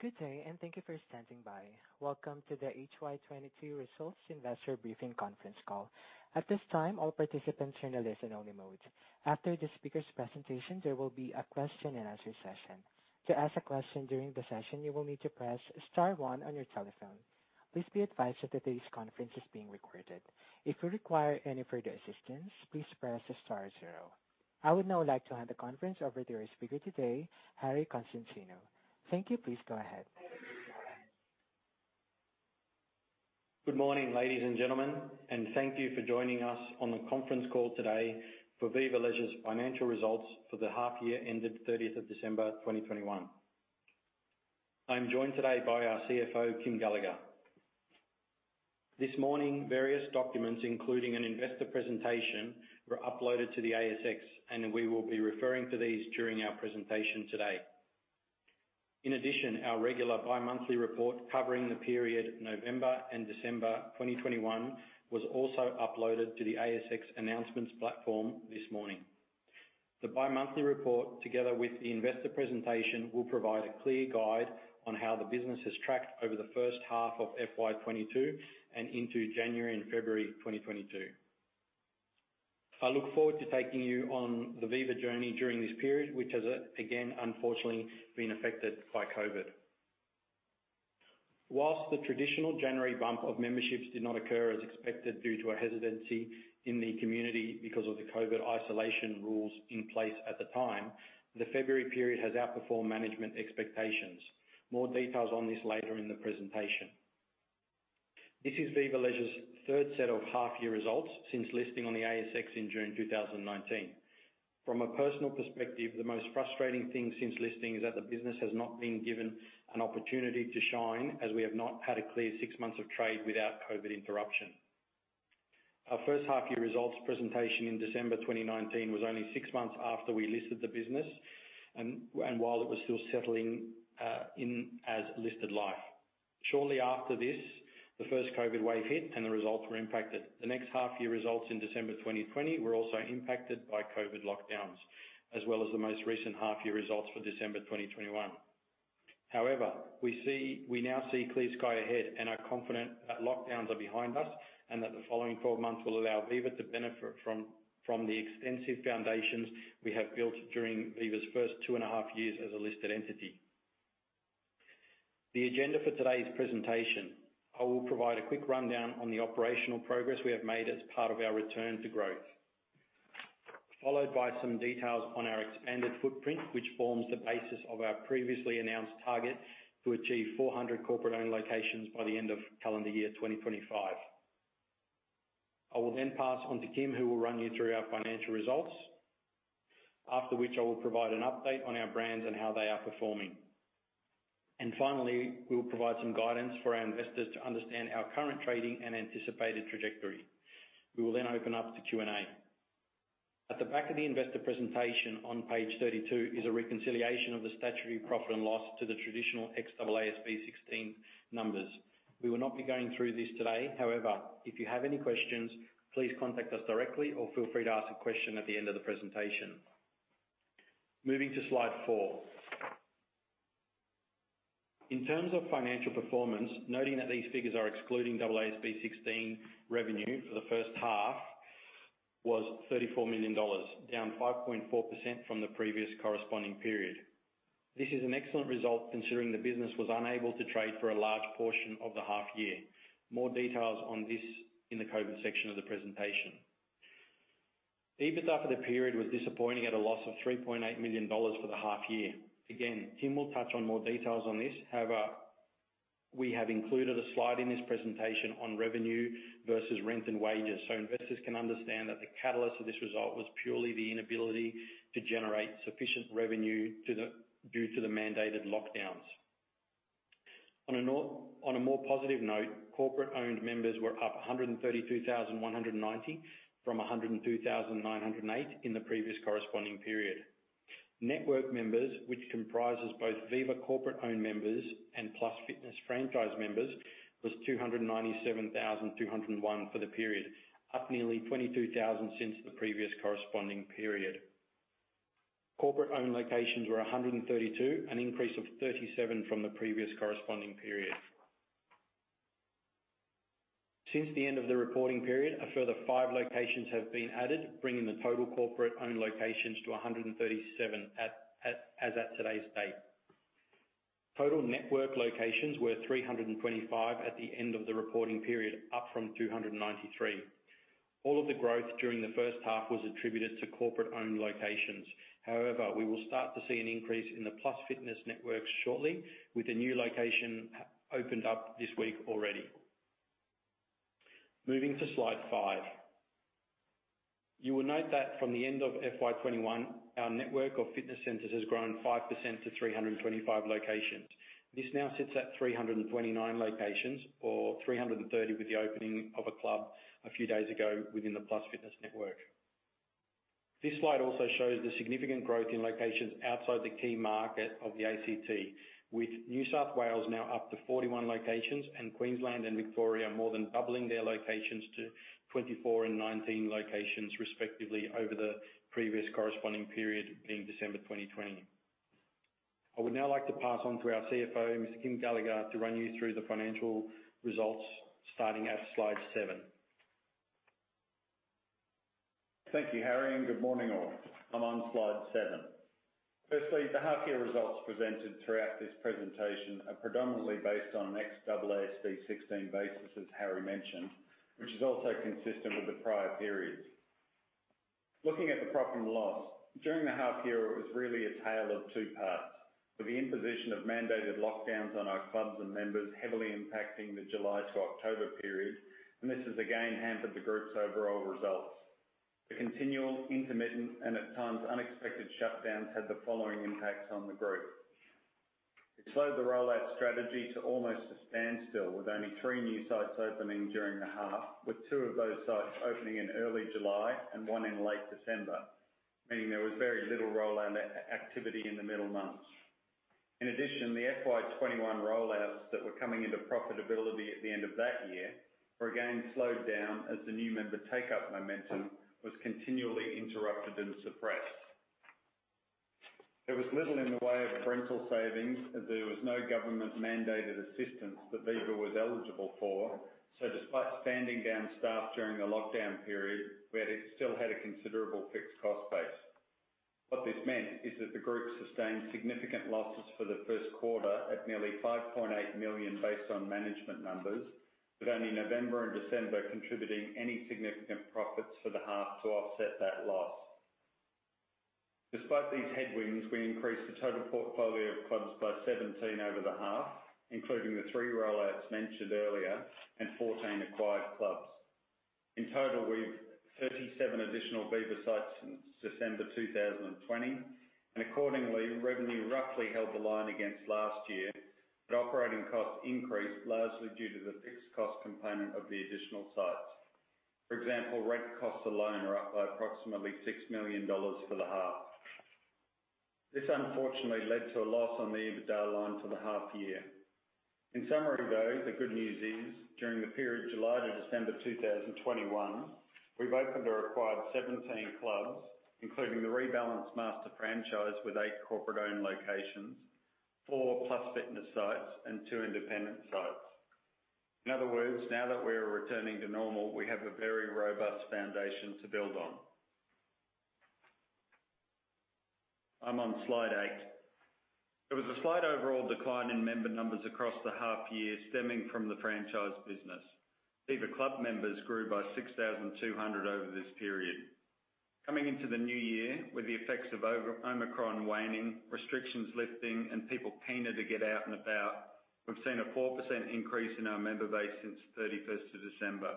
Good day and thank you for standing by. Welcome to the HY22 Results Investor Briefing Conference Call. At this time, all participants are in a listen only mode. After the speaker's presentation, there will be a question and answer session. To ask a question during the session, you will need to press star one on your telephone. Please be advised that today's conference is being recorded. If you require any further assistance, please press start zero. I would now like to hand the conference over to our speaker today, Harry Konstantinou. Thank you. Please go ahead. Good morning, ladies and gentlemen, and thank you for joining us on the conference call today for Viva Leisure's financial results for the half year ended thirtieth of December, 2021. I'm joined today by our CFO, Kym Gallagher. This morning, various documents, including an investor presentation, were uploaded to the ASX and we will be referring to these during our presentation today. In addition, our regular bi-monthly report covering the period November and December 2021 was also uploaded to the ASX announcements platform this morning. The bi-monthly report, together with the investor presentation will provide a clear guide on how the business has tracked over the first half of FY 2022 and into January and February 2022. I look forward to taking you on the Viva journey during this period, which has, again, unfortunately been affected by COVID. While the traditional January bump of memberships did not occur as expected due to a hesitancy in the community because of the COVID isolation rules in place at the time, the February period has outperformed management expectations. More details on this later in the presentation. This is Viva Leisure's third set of half year results since listing on the ASX in June 2019. From a personal perspective, the most frustrating thing since listing is that the business has not been given an opportunity to shine as we have not had a clear six months of trade without COVID interruption. Our first half year results presentation in December 2019 was only six months after we listed the business, and while it was still settling in its listed life. Shortly after this, the first COVID wave hit and the results were impacted. The next half year results in December 2020 were also impacted by COVID lockdowns, as well as the most recent half year results for December 2021. However, we now see clear sky ahead and are confident that lockdowns are behind us and that the following 12 months will allow Viva to benefit from the extensive foundations we have built during Viva's first two and a half years as a listed entity. The agenda for today's presentation. I will provide a quick rundown on the operational progress we have made as part of our return to growth. Followed by some details on our expanded footprint, which forms the basis of our previously announced target to achieve 400 corporate owned locations by the end of calendar year 2025. I will then pass on to Kym, who will run you through our financial results. After which I will provide an update on our brands and how they are performing. Finally, we will provide some guidance for our investors to understand our current trading and anticipated trajectory. We will then open up to Q&A. At the back of the investor presentation on page 32 is a reconciliation of the statutory profit and loss to the traditional AASB 16 numbers. We will not be going through this today. However, if you have any questions, please contact us directly or feel free to ask a question at the end of the presentation. Moving to slide 4. In terms of financial performance, noting that these figures are excluding AASB 16 revenue, for the first half was 34 million dollars, down 5.4% from the previous corresponding period. This is an excellent result considering the business was unable to trade for a large portion of the half year. More details on this in the COVID section of the presentation. EBITDA for the period was disappointing at a loss of 3.8 million dollars for the half year. Again, Kym will touch on more details on this. However, we have included a slide in this presentation on revenue versus rent and wages, so investors can understand that the catalyst of this result was purely the inability to generate sufficient revenue due to the mandated lockdowns. On a more positive note, corporate owned members were up 132,190 from 102,908 in the previous corresponding period. Network members, which comprises both Viva corporate owned members and Plus Fitness franchise members, was 297,201 for the period, up nearly 22,000 since the previous corresponding period. Corporate owned locations were 132, an increase of 37 from the previous corresponding period. Since the end of the reporting period, a further five locations have been added, bringing the total corporate owned locations to 137 as at today's date. Total network locations were 325 at the end of the reporting period, up from 293. All of the growth during the first half was attributed to corporate owned locations. However, we will start to see an increase in the Plus Fitness networks shortly with a new location has opened up this week already. Moving to slide five. You will note that from the end of FY 2021, our network of fitness centers has grown 5% to 325 locations. This now sits at 329 locations or 330 with the opening of a club a few days ago within the Plus Fitness network. This slide also shows the significant growth in locations outside the key market of the ACT, with New South Wales now up to 41 locations and Queensland and Victoria more than doubling their locations to 24 and 19 locations respectively over the previous corresponding period being December 2020. I would now like to pass on to our CFO, Mr. Kym Gallagher, to run you through the financial results starting at slide seven. Thank you, Harry, and good morning all. I'm on slide seven. Firstly, the half year results presented throughout this presentation are predominantly based on ex AASB 16 basis, as Harry mentioned, which is also consistent with the prior periods. Looking at the profit and loss, during the half year, it was really a tale of two parts, with the imposition of mandated lockdowns on our clubs and members heavily impacting the July to October period, and this has again hampered the group's overall results. The continual, intermittent, and at times unexpected shutdowns had the following impacts on the group. It slowed the rollout strategy to almost a standstill, with only three new sites opening during the half, with two of those sites opening in early July and one in late December, meaning there was very little rollout activity in the middle months. In addition, the FY 2021 rollouts that were coming into profitability at the end of that year were again slowed down as the new member take-up momentum was continually interrupted and suppressed. There was little in the way of rental savings, as there was no government-mandated assistance that Viva was eligible for. Despite standing down staff during the lockdown period, we still had a considerable fixed cost base. What this meant is that the group sustained significant losses for the first quarter at nearly 5.8 million based on management numbers, with only November and December contributing any significant profits for the half to offset that loss. Despite these headwinds, we increased the total portfolio of clubs by 17 over the half, including the three rollouts mentioned earlier and 14 acquired clubs. In total, we've 37 additional Viva sites since December 2020, and accordingly, revenue roughly held the line against last year, but operating costs increased largely due to the fixed cost component of the additional sites. For example, rent costs alone are up by approximately 6 million dollars for the half. This unfortunately led to a loss on the EBITDA line for the half year. In summary, though, the good news is, during the period July to December 2021, we've opened or acquired 17 clubs, including the Rebalance Master Franchise with 8 corporate-owned locations, four Plus Fitness sites, and two independent sites. In other words, now that we're returning to normal, we have a very robust foundation to build on. I'm on slide eight. There was a slight overall decline in member numbers across the half year stemming from the franchise business. Viva Club members grew by 6,200 over this period. Coming into the new year with the effects of Omicron waning, restrictions lifting, and people keen to get out and about, we've seen a 4% increase in our member base since thirty-first of December.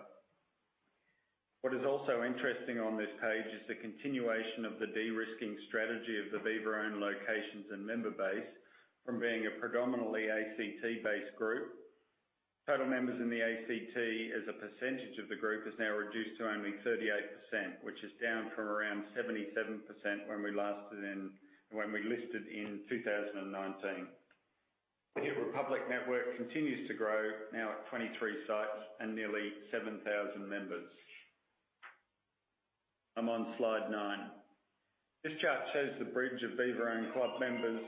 What is also interesting on this page is the continuation of the de-risking strategy of the Viva-owned locations and member base from being a predominantly ACT-based group. Total members in the ACT as a percentage of the group is now reduced to only 38%, which is down from around 77% when we listed in 2019. The HiiT Republic network continues to grow, now at 23 sites and nearly 7,000 members. I'm on slide nine. This chart shows the bridge of Viva-owned club members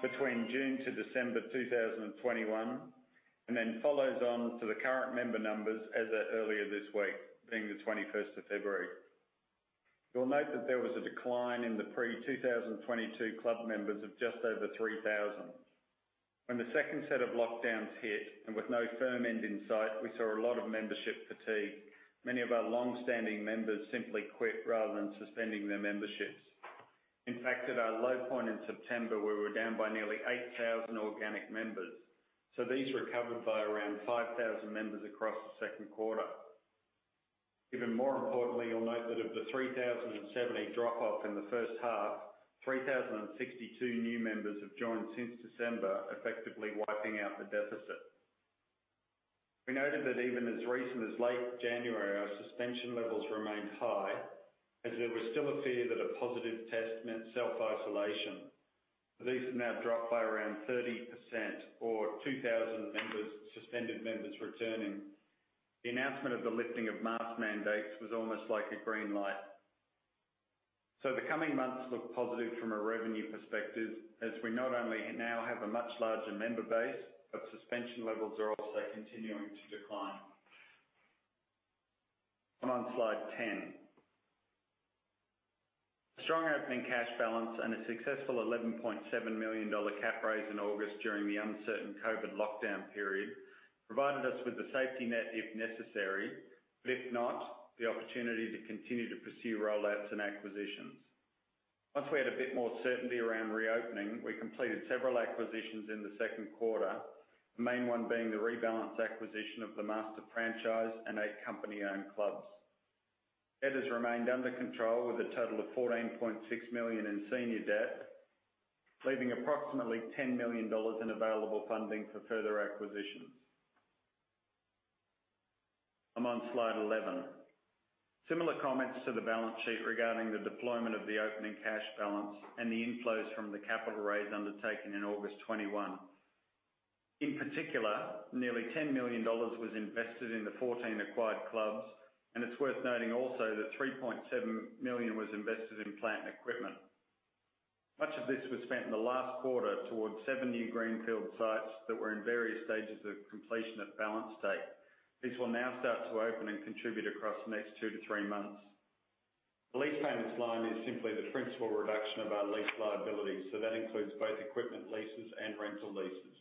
between June to December 2021, and then follows on to the current member numbers as at earlier this week, being the 21st of February. You'll note that there was a decline in the pre-2022 club members of just over 3,000. When the second set of lockdowns hit and with no firm end in sight, we saw a lot of membership fatigue. Many of our long-standing members simply quit rather than suspending their memberships. In fact, at our low point in September, we were down by nearly 8,000 organic members, so these recovered by around 5,000 members across the second quarter. Even more importantly, you'll note that of the 3,070 drop-off in the first half, 3,062 new members have joined since December, effectively wiping out the deficit. We noted that even as recent as late January, our suspension levels remained high as there was still a fear that a positive test meant self-isolation. These have now dropped by around 30% or 2,000 members, suspended members returning. The announcement of the lifting of mask mandates was almost like a green light. The coming months look positive from a revenue perspective as we not only now have a much larger member base, but suspension levels are also continuing to decline. I'm on slide 10. A strong opening cash balance and a successful 11.7 million dollar capital raise in August during the uncertain COVID lockdown period provided us with the safety net if necessary, but if not, the opportunity to continue to pursue rollouts and acquisitions. Once we had a bit more certainty around reopening, we completed several acquisitions in the second quarter, the main one being the Rebalance acquisition of the master franchise and 8 company-owned clubs. Debt has remained under control with a total of 14.6 million in senior debt, leaving approximately 10 million dollars in available funding for further acquisitions. I'm on slide 11. Similar comments to the balance sheet regarding the deployment of the opening cash balance and the inflows from the capital raise undertaken in August 2021. In particular, nearly 10 million dollars was invested in the 14 acquired clubs, and it's worth noting also that 3.7 million was invested in plant equipment. Much of this was spent in the last quarter towards seven new greenfield sites that were in various stages of completion at balance date. These will now start to open and contribute across the next 2-3 months. The lease payments line is simply the principal reduction of our lease liabilities, so that includes both equipment leases and rental leases.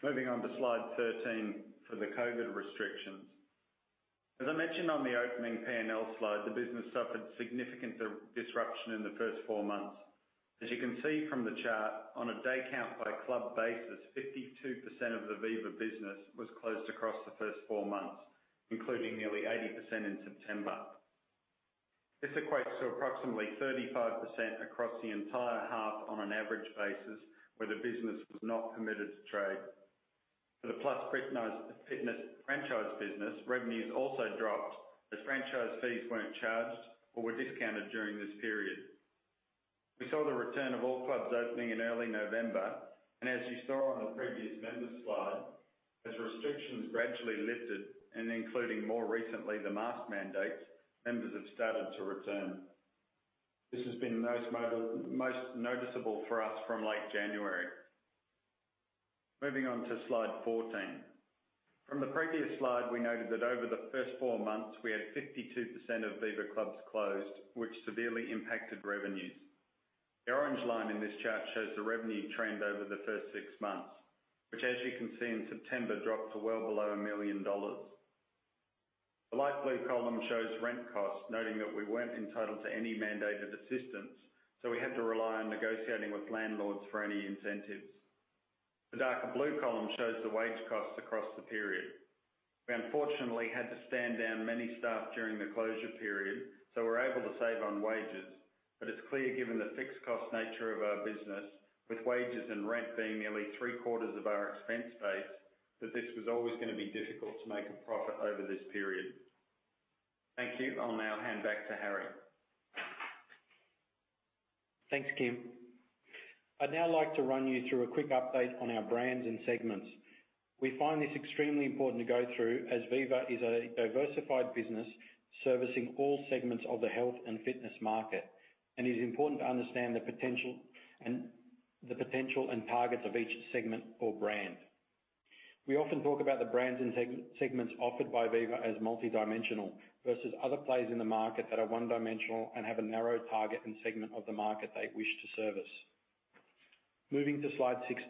Moving on to slide 13 for the COVID restrictions. As I mentioned on the opening P&L slide, the business suffered significant disruption in the first four months. As you can see from the chart, on a day count by club basis, 52% of the Viva business was closed across the first four months, including nearly 80% in September. This equates to approximately 35% across the entire half on an average basis, where the business was not permitted to trade. For the Plus Fitness franchise business, revenues also dropped as franchise fees weren't charged or were discounted during this period. We saw the return of all clubs opening in early November, and as you saw on the previous members slide, as restrictions gradually lifted and including more recently the mask mandate, members have started to return. This has been most noticeable for us from late January. Moving on to slide 14. From the previous slide, we noted that over the first four months we had 52% of Viva clubs closed, which severely impacted revenues. The orange line in this chart shows the revenue trend over the first six months, which as you can see in September, dropped to well below 1 million dollars. The light blue column shows rent costs, noting that we weren't entitled to any mandated assistance, so we had to rely on negotiating with landlords for any incentives. The darker blue column shows the wage costs across the period. We unfortunately had to stand down many staff during the closure period, so we're able to save on wages. It's clear, given the fixed cost nature of our business, with wages and rent being nearly three-quarters of our expense base, that this was always gonna be difficult to make a profit over this period. Thank you. I'll now hand back to Harry. Thanks, Kym. I'd now like to run you through a quick update on our brands and segments. We find this extremely important to go through, as Viva is a diversified business servicing all segments of the health and fitness market. It is important to understand the potential and targets of each segment or brand. We often talk about the brands and segments offered by Viva as multidimensional versus other players in the market that are one-dimensional and have a narrow target and segment of the market they wish to service. Moving to slide 16.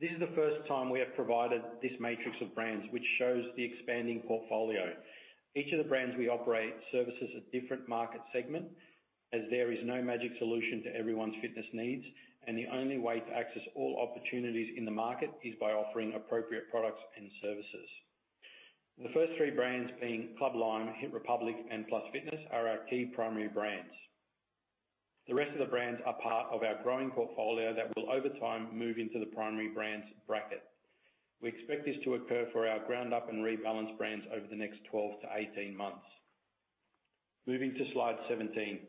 This is the first time we have provided this matrix of brands, which shows the expanding portfolio. Each of the brands we operate services a different market segment as there is no magic solution to everyone's fitness needs, and the only way to access all opportunities in the market is by offering appropriate products and services. The first three brands being Club Lime, HIIT Republic, and Plus Fitness are our key primary brands. The rest of the brands are part of our growing portfolio that will over time move into the primary brands bracket. We expect this to occur for our GroundUp and Rebalance brands over the next 12-18 months. Moving to slide 17.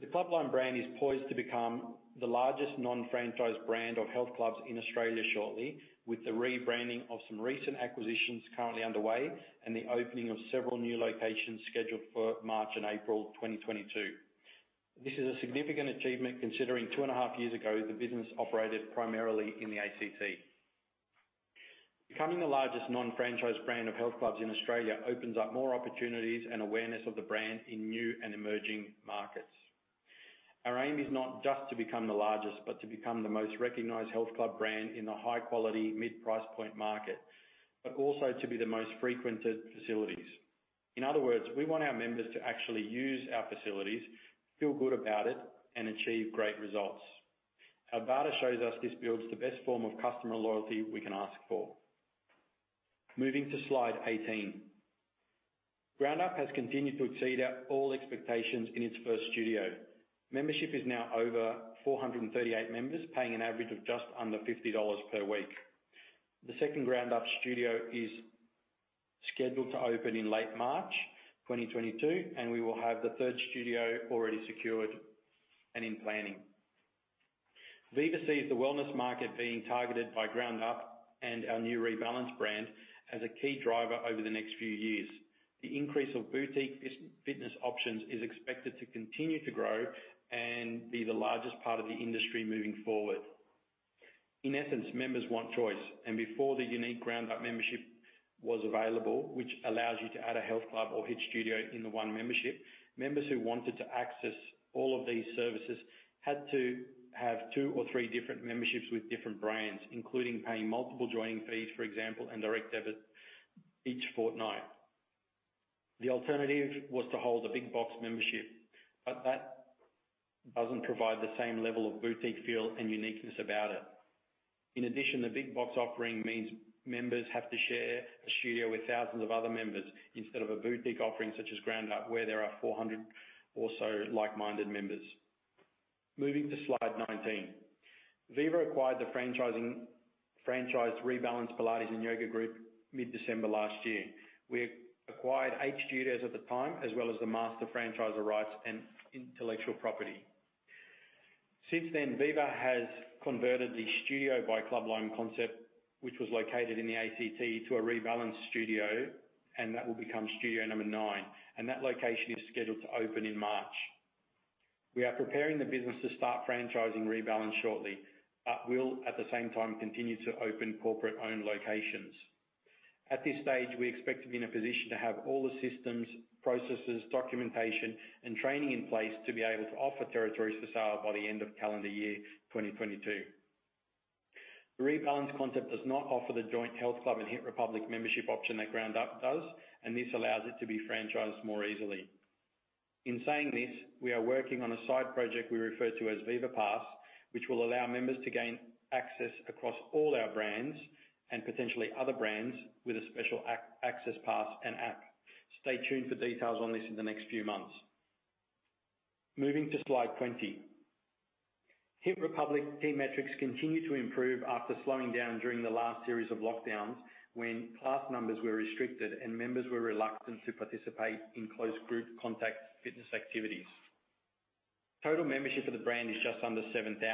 The Club Lime brand is poised to become the largest non-franchised brand of health clubs in Australia shortly, with the rebranding of some recent acquisitions currently underway and the opening of several new locations scheduled for March and April 2022. This is a significant achievement considering two and a half years ago, the business operated primarily in the ACT. Becoming the largest non-franchised brand of health clubs in Australia opens up more opportunities and awareness of the brand in new and emerging markets. Our aim is not just to become the largest, but to become the most recognized health club brand in the high quality, mid-price point market, but also to be the most frequented facilities. In other words, we want our members to actually use our facilities, feel good about it, and achieve great results. Our data shows us this builds the best form of customer loyalty we can ask for. Moving to slide 18. GROUNDUP has continued to exceed all expectations in its first studio. Membership is now over 438 members, paying an average of just under 50 dollars per week. The second GROUNDUP studio is scheduled to open in late March 2022, and we will have the third studio already secured and in planning. Viva sees the wellness market being targeted by GROUNDUP and our new Rebalance brand as a key driver over the next few years. The increase of boutique fitness options is expected to continue to grow and be the largest part of the industry moving forward. In essence, members want choice, and before the unique GROUNDUP membership was available, which allows you to add a health club or HIIT studio in the one membership, members who wanted to access all of these services had to have two or three different memberships with different brands, including paying multiple joining fees, for example, and direct debits each fortnight. The alternative was to hold a big box membership, but that doesn't provide the same level of boutique feel and uniqueness about it. In addition, the big box offering means members have to share a studio with thousands of other members instead of a boutique offering such as GROUNDUP, where there are 400 or so like-minded members. Moving to slide 19. Viva acquired the franchised Rebalance Pilates & Yoga mid-December last year. We acquired 8 studios at the time, as well as the master franchisor rights and intellectual property. Since then, Viva has converted the studio by Club Lime concept, which was located in the ACT, to a Rebalance studio, and that will become studio number 9, and that location is scheduled to open in March. We are preparing the business to start franchising Rebalance shortly, but will, at the same time, continue to open corporate-owned locations. At this stage, we expect to be in a position to have all the systems, processes, documentation, and training in place to be able to offer territories for sale by the end of calendar year 2022. The Rebalance concept does not offer the joint health club and Hiit Republic membership option that GROUNDUP does, and this allows it to be franchised more easily. In saying this, we are working on a side project we refer to as Viva Pass, which will allow members to gain access across all our brands and potentially other brands with a special access pass and app. Stay tuned for details on this in the next few months. Moving to slide 20. Hiit Republic key metrics continue to improve after slowing down during the last series of lockdowns, when class numbers were restricted and members were reluctant to participate in close group contact fitness activities. Total membership of the brand is just under 7,000.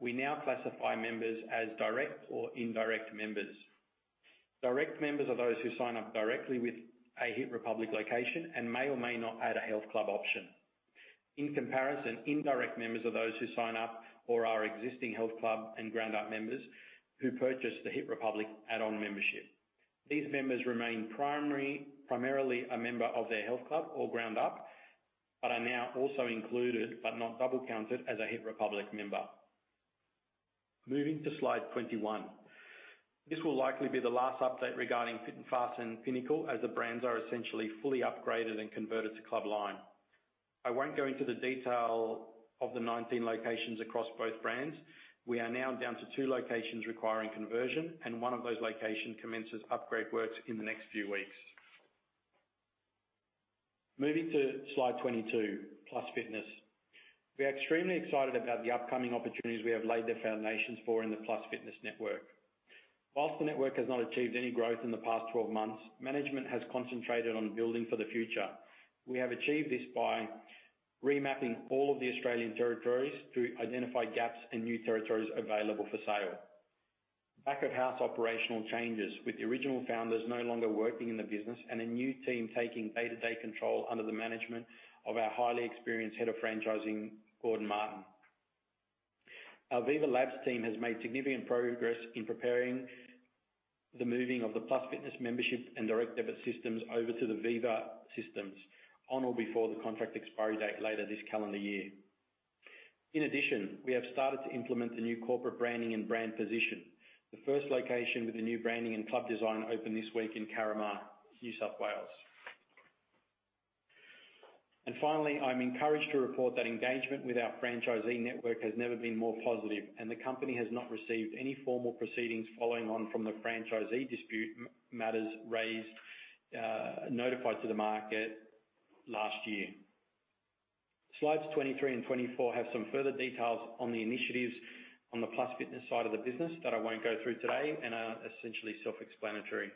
We now classify members as direct or indirect members. Direct members are those who sign up directly with a Hiit Republic location and may or may not add a health club option. In comparison, indirect members are those who sign up or are existing health club and GROUNDUP members who purchase the Hiit Republic add-on membership. These members remain primarily a member of their health club or GROUNDUP, but are now also included, but not double-counted, as a Hiit Republic member. Moving to slide 21. This will likely be the last update regarding Fit n Fast and Pinnacle as the brands are essentially fully upgraded and converted to Club Lime. I won't go into the detail of the 19 locations across both brands. We are now down to two locations requiring conversion, and one of those locations commences upgrade works in the next few weeks. Moving to slide 22, Plus Fitness. We are extremely excited about the upcoming opportunities we have laid the foundations for in the Plus Fitness network. While the network has not achieved any growth in the past 12 months, management has concentrated on building for the future. We have achieved this by remapping all of the Australian territories to identify gaps in new territories available for sale. Back-of-house operational changes with the original founders no longer working in the business and a new team taking day-to-day control under the management of our highly experienced Head of Franchising, Gordon Martin. Our Viva Labs team has made significant progress in preparing the moving of the Plus Fitness membership and direct debit systems over to the Viva systems on or before the contract expiry date later this calendar year. In addition, we have started to implement the new corporate branding and brand position. The first location with the new branding and club design opened this week in Carramar, New South Wales. Finally, I'm encouraged to report that engagement with our franchisee network has never been more positive, and the company has not received any formal proceedings following on from the franchisee dispute matters raised, notified to the market last year. Slides 23 and 24 have some further details on the initiatives on the Plus Fitness side of the business that I won't go through today and are essentially self-explanatory.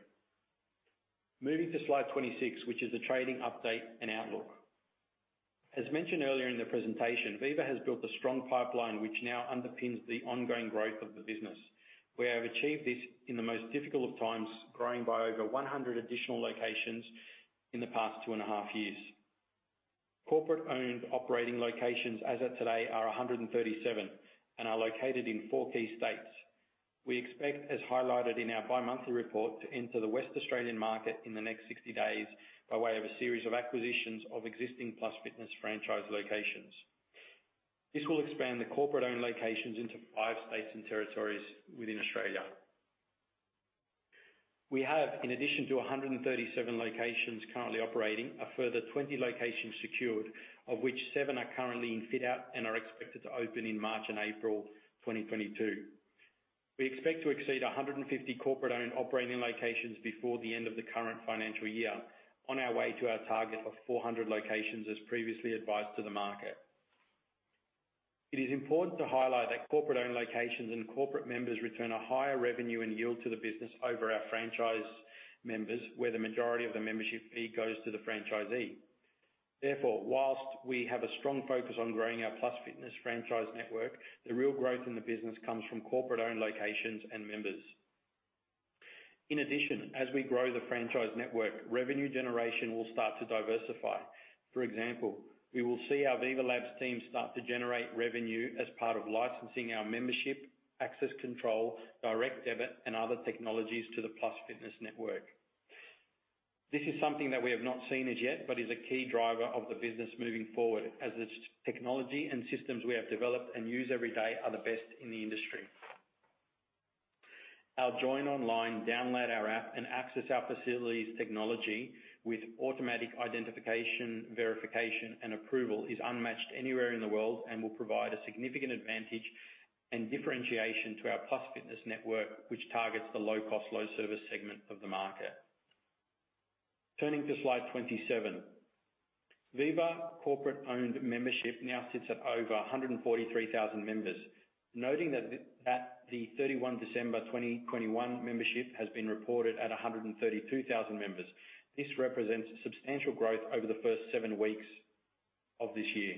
Moving to slide 26, which is the trading update and outlook. As mentioned earlier in the presentation, Viva has built a strong pipeline which now underpins the ongoing growth of the business. We have achieved this in the most difficult of times, growing by over 100 additional locations in the past two and a half years. Corporate-owned operating locations as of today are 137 and are located in four key states. We expect, as highlighted in our bimonthly report, to enter the West Australian market in the next 60 days by way of a series of acquisitions of existing Plus Fitness franchise locations. This will expand the corporate-owned locations into five states and territories within Australia. We have, in addition to 137 locations currently operating, a further 20 locations secured, of which 7 are currently in fit-out and are expected to open in March and April 2022. We expect to exceed 150 corporate-owned operating locations before the end of the current financial year on our way to our target of 400 locations, as previously advised to the market. It is important to highlight that corporate-owned locations and corporate members return a higher revenue and yield to the business over our franchise members, where the majority of the membership fee goes to the franchisee. Therefore, while we have a strong focus on growing our Plus Fitness franchise network, the real growth in the business comes from corporate-owned locations and members. In addition, as we grow the franchise network, revenue generation will start to diversify. For example, we will see our Viva Labs team start to generate revenue as part of licensing our membership, access control, direct debit, and other technologies to the Plus Fitness network. This is something that we have not seen as yet, but is a key driver of the business moving forward, as the technology and systems we have developed and use every day are the best in the industry. Our Join Online, Download our App, and Access our Facilities technology with automatic identification, verification, and approval is unmatched anywhere in the world, and will provide a significant advantage and differentiation to our Plus Fitness network, which targets the low-cost, low-service segment of the market. Turning to slide 27. Viva corporate-owned membership now sits at over 143,000 members. Noting that the 31 December 2021 membership has been reported at 132,000 members. This represents substantial growth over the first 7 weeks of this year.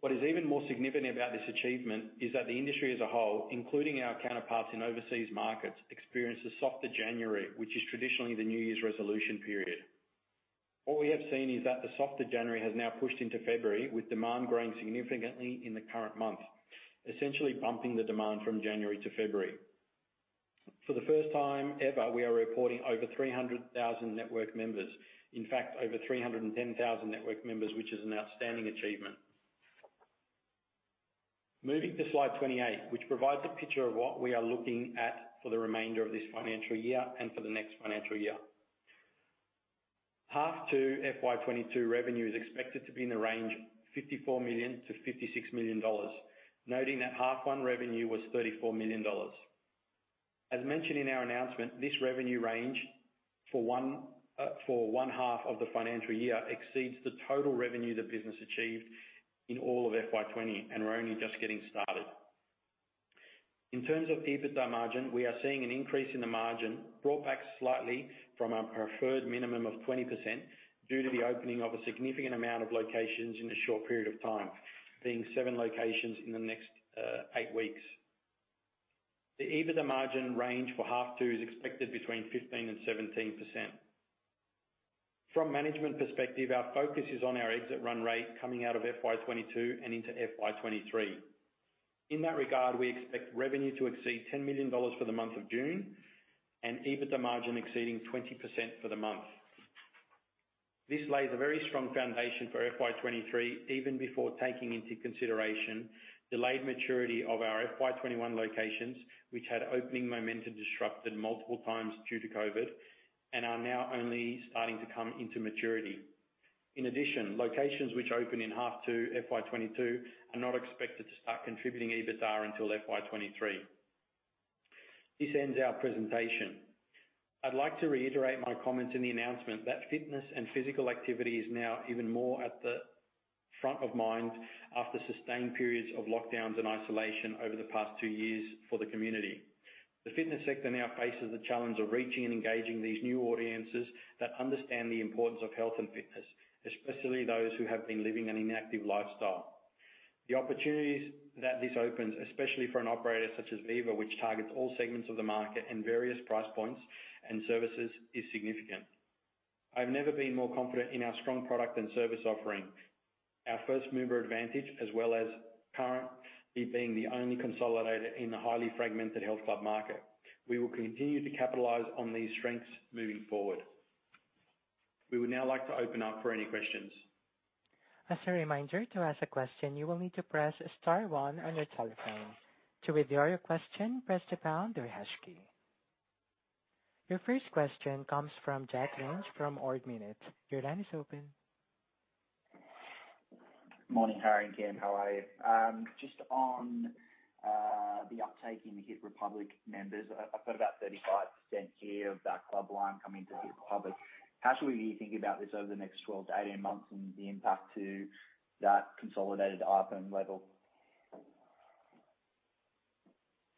What is even more significant about this achievement is that the industry as a whole, including our counterparts in overseas markets, experienced a softer January, which is traditionally the New Year's resolution period. What we have seen is that the softer January has now pushed into February, with demand growing significantly in the current month, essentially bumping the demand from January to February. For the first time ever, we are reporting over 300,000 network members. In fact, over 310,000 network members, which is an outstanding achievement. Moving to slide 28, which provides a picture of what we are looking at for the remainder of this financial year and for the next financial year. H2 FY 2022 revenue is expected to be in the range 54 million-56 million dollars. Noting that H1 revenue was 34 million dollars. As mentioned in our announcement, this revenue range for one half of the financial year exceeds the total revenue the business achieved in all of FY 2020, and we're only just getting started. In terms of EBITDA margin, we are seeing an increase in the margin brought back slightly from our preferred minimum of 20% due to the opening of a significant amount of locations in a short period of time, being seven locations in the next eight weeks. The EBITDA margin range for H2 is expected between 15%-17%. From management perspective, our focus is on our exit run rate coming out of FY 2022 and into FY 2023. In that regard, we expect revenue to exceed 10 million dollars for the month of June and EBITDA margin exceeding 20% for the month. This lays a very strong foundation for FY 2023, even before taking into consideration delayed maturity of our FY 2021 locations, which had opening momentum disrupted multiple times due to COVID and are now only starting to come into maturity. In addition, locations which open in half 2 FY 2022 are not expected to start contributing EBITDA until FY 2023. This ends our presentation. I'd like to reiterate my comments in the announcement that fitness and physical activity is now even more at the front of mind after sustained periods of lockdowns and isolation over the past 2 years for the community. The fitness sector now faces the challenge of reaching and engaging these new audiences that understand the importance of health and fitness, especially those who have been living an inactive lifestyle. The opportunities that this opens, especially for an operator such as Viva, which targets all segments of the market and various price points and services, is significant. I've never been more confident in our strong product and service offering, our first mover advantage as well as currently being the only consolidator in the highly fragmented health club market. We will continue to capitalize on these strengths moving forward. We would now like to open up for any questions. As a reminder, to ask a question, you will need to press star one on your telephone. To withdraw your question, press the pound or hash key. Your first question comes from Jack Lynch from Ord Minnett. Your line is open. Morning, Harry and Kym. How are you? Just on the uptake in Hiit Republic members. I've heard about 35% of that Club Lime coming to Hiit Republic. How should we be thinking about this over the next 12 to 18 months and the impact to that consolidated EBITDA level?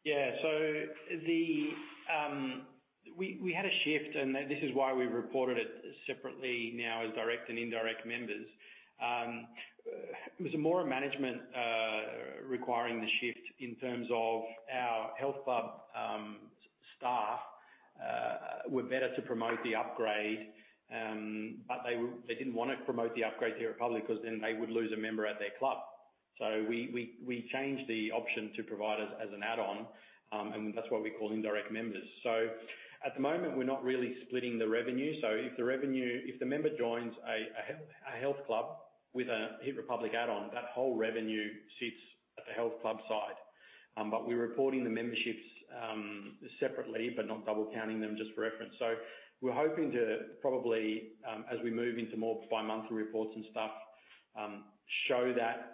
We had a shift, and this is why we reported it separately now as direct and indirect members. It was more a management requiring the shift in terms of our health club staff were better to promote the upgrade, but they didn't wanna promote the upgrade to Hiit Republic because then they would lose a member at their club. We changed the option to provide us as an add-on, and that's what we call indirect members. At the moment, we're not really splitting the revenue. If the member joins a health club with a Hiit Republic add-on, that whole revenue sits at the health club side. But we're reporting the memberships separately, but not double counting them, just for reference. We're hoping to probably, as we move into more bi-monthly reports and stuff, show that,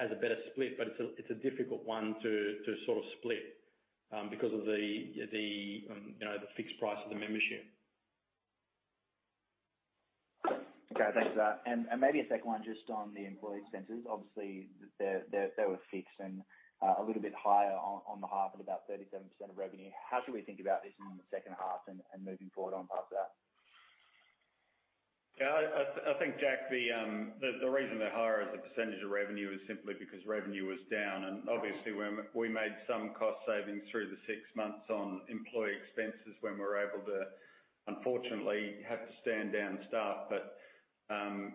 as a better split. It's a difficult one to sort of split, because of the you know, the fixed price of the membership. Okay. Thanks for that. Maybe a second one just on the employee expenses. Obviously, they were fixed and a little bit higher on the half at about 37% of revenue. How should we think about this in the second half and moving forward on top of that? Yeah. I think, Jack, the reason they're higher as a percentage of revenue is simply because revenue was down. Obviously we made some cost savings through the six months on employee expenses when we were able to, unfortunately, have to stand down staff.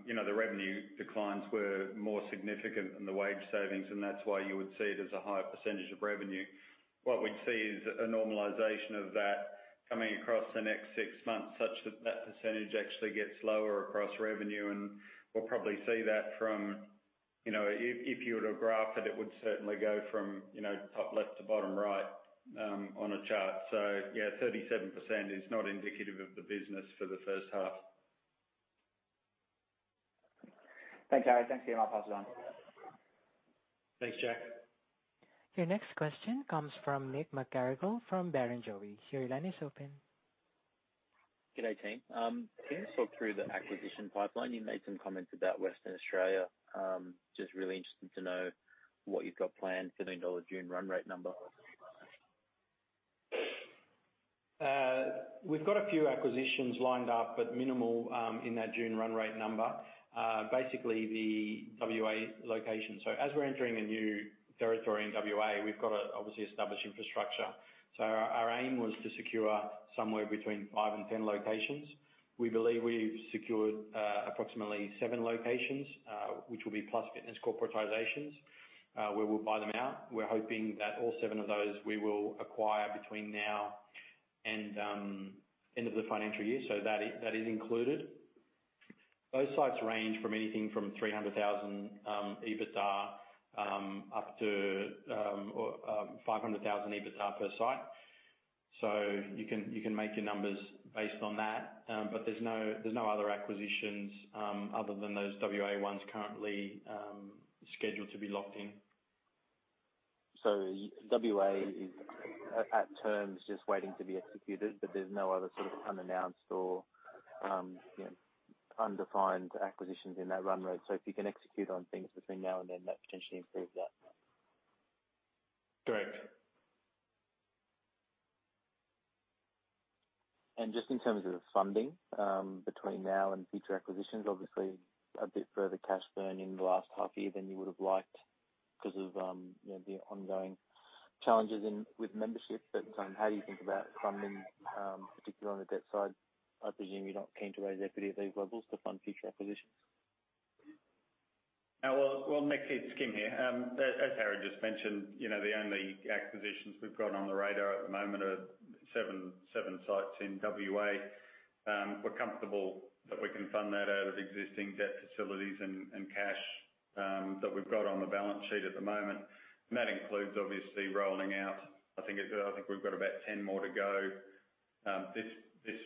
You know, the revenue declines were more significant than the wage savings, and that's why you would see it as a higher percentage of revenue. What we'd see is a normalization of that coming across the next six months, such that that percentage actually gets lower across revenue, and we'll probably see that from, you know. If you were to graph it would certainly go from, you know, top left to bottom right on a chart. Yeah, 37% is not indicative of the business for the first half. Thanks, Harry. Thanks, Kym. I'll pass it on. Thanks, Jack. Your next question comes from Nick McGarrigle from Barrenjoey. Your line is open. Good day, team. Can you talk through the acquisition pipeline? You made some comments about Western Australia. Just really interested to know what you've got planned for the dollar June run rate number. We've got a few acquisitions lined up, but minimal, in that June run rate number. Basically the WA location. As we're entering a new territory in WA, we've got to obviously establish infrastructure. Our aim was to secure somewhere between five and 10 locations. We believe we've secured approximately seven locations, which will be Plus Fitness corporatizations, where we'll buy them out. We're hoping that all seven of those we will acquire between now and end of the financial year. That is included. Those sites range from anything from 300,000 EBITDA up to 500,000 EBITDA per site. You can make your numbers based on that. There's no other acquisitions, other than those WA ones currently, scheduled to be locked in. W.A. is at terms just waiting to be executed, but there's no other sort of unannounced or, you know, undefined acquisitions in that run rate. If you can execute on things between now and then, that potentially improves that. Correct. Just in terms of funding, between now and future acquisitions, obviously a bit further cash burn in the last half year than you would have liked because of, you know, the ongoing challenges with memberships. How do you think about funding, particularly on the debt side? I presume you're not keen to raise equity at these levels to fund future acquisitions. Well, well, Nick, it's Kym here. As Harry just mentioned, you know, the only acquisitions we've got on the radar at the moment are seven sites in WA. We're comfortable that we can fund that out of existing debt facilities and cash that we've got on the balance sheet at the moment. That includes obviously rolling out, I think we've got about 10 more to go this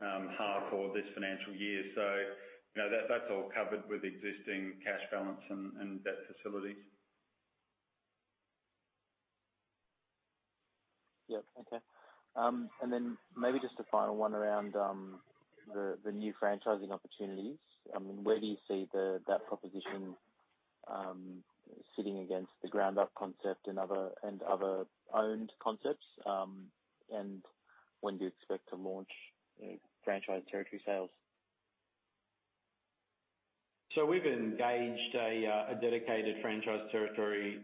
half or this financial year. You know, that's all covered with existing cash balance and debt facilities. Yep. Okay. Maybe just a final one around the new franchising opportunities. I mean, where do you see that proposition sitting against the Groundup concept and other owned concepts? When do you expect to launch franchise territory sales? We've engaged a dedicated franchise territory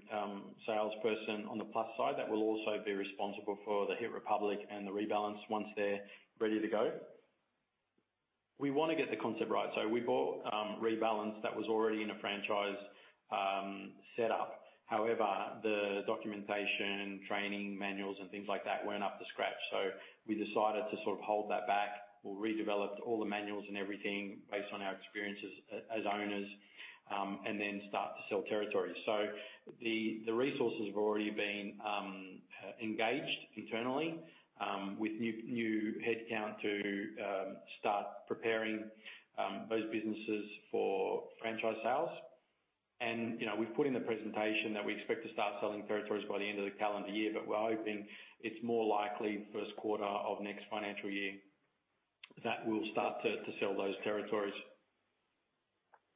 salesperson on the Plus Fitness side that will also be responsible for the Hiit Republic and the Rebalance once they're ready to go. We wanna get the concept right. We bought Rebalance that was already in a franchise setup. However, the documentation, training manuals and things like that weren't up to scratch, so we decided to sort of hold that back. We redeveloped all the manuals and everything based on our experiences as owners, and then start to sell territories. The resources have already been engaged internally with new headcount to start preparing those businesses for franchise sales. You know, we've put in the presentation that we expect to start selling territories by the end of the calendar year, but we're hoping it's more likely first quarter of next financial year that we'll start to sell those territories.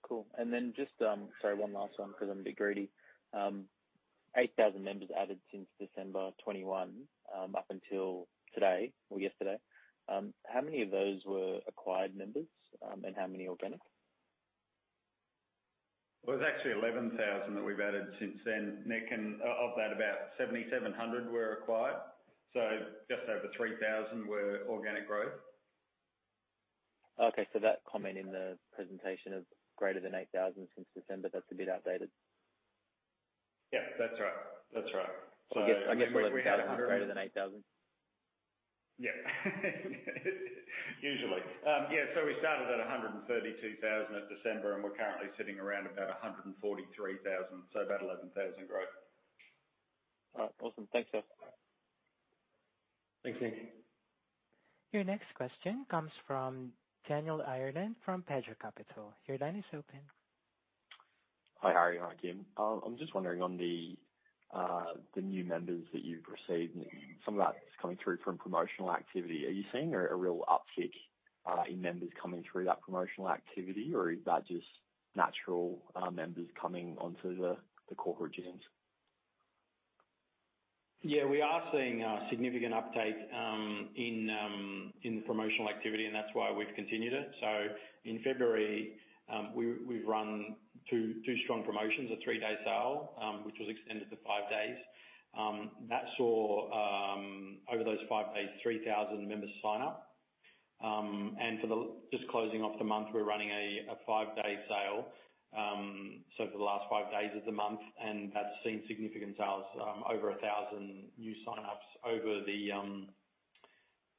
Cool. Then just, sorry, one last one because I'm a bit greedy. 8,000 members added since December 2021, up until today or yesterday. How many of those were acquired members, and how many organic? Well, it's actually 11,000 that we've added since then, Nick, and of that about 7,700 were acquired, so just over 3,000 were organic growth. Okay. That comment in the presentation of greater than 8,000 since December, that's a bit outdated. Yeah, that's right. I guess we're looking at 100 greater than 8,000. Yeah. Usually. Yeah. We started at 132,000 at December, and we're currently sitting around about 143,000, so about 11,000 growth. All right. Awesome. Thanks, guys. Thanks, Nick. Your next question comes from Daniel Ireland from Petra Capital. Your line is open. Hi, Harry. Hi, Kym. I'm just wondering on the new members that you've received, some of that's coming through from promotional activity. Are you seeing a real uptick in members coming through that promotional activity, or is that just natural members coming onto the corporate gyms? Yeah, we are seeing a significant uptake in promotional activity, and that's why we've continued it. In February, we've run two strong promotions, a 3-day sale, which was extended to 5 days. That saw over those 5 days, 3,000 members sign up. Just closing off the month, we're running a 5-day sale for the last 5 days of the month, and that's seen significant sales, over 1,000 new signups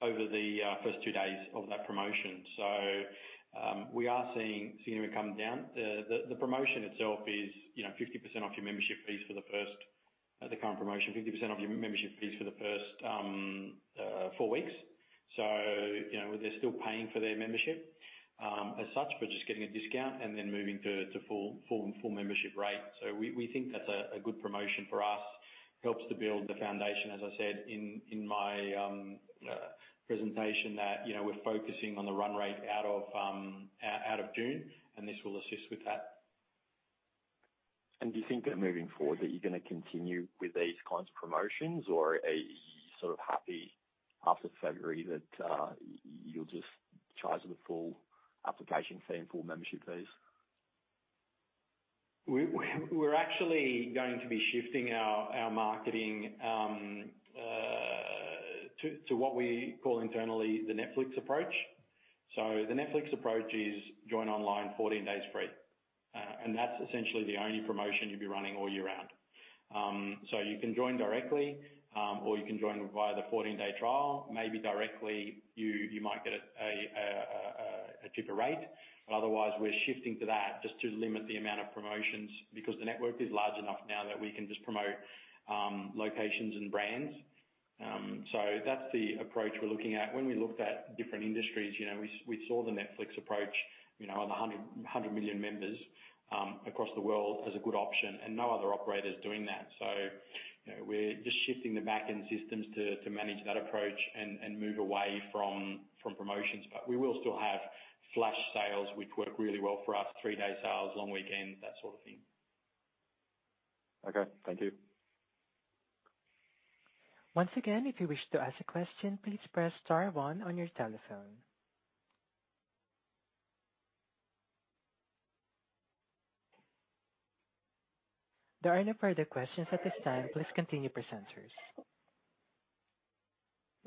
over the first 2 days of that promotion. We are seeing hesitancy come down. The promotion itself is, you know, 50% off your membership fees for the first 4 weeks. You know, they're still paying for their membership, as such, but just getting a discount and then moving to full membership rate. We think that's a good promotion for us, helps to build the foundation, as I said in my presentation, that you know, we're focusing on the run rate out of June, and this will assist with that. Do you think that moving forward that you're gonna continue with these kinds of promotions or are you sort of happy after February that you'll just charge the full application fee and full membership fees? We're actually going to be shifting our marketing to what we call internally the Netflix approach. The Netflix approach is join online, 14 days free. That's essentially the only promotion you'll be running all year round. You can join directly or you can join via the 14-day trial. Maybe directly you might get a cheaper rate. Otherwise we're shifting to that just to limit the amount of promotions because the network is large enough now that we can just promote locations and brands. That's the approach we're looking at. When we looked at different industries, you know, we saw the Netflix approach, you know, on the 100 million members across the world as a good option and no other operators doing that. You know, we're just shifting the back-end systems to manage that approach and move away from promotions. We will still have flash sales which work really well for us, three-day sales, long weekend, that sort of thing. Okay. Thank you. Once again, if you wish to ask a question, please press star one on your telephone. There are no further questions at this time. Please continue, presenters.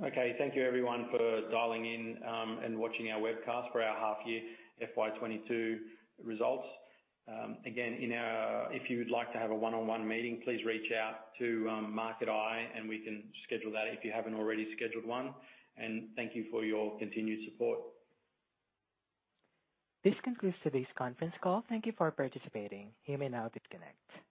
Okay. Thank you everyone for dialing in and watching our webcast for our half year FY 2022 results. If you would like to have a one-on-one meeting, please reach out to Market Eye and we can schedule that if you haven't already scheduled one. Thank you for your continued support. This concludes today's conference call. Thank you for participating. You may now disconnect.